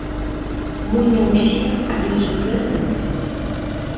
Мо не ўсе, але ж рэзалі.